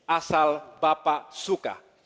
asal bapak suka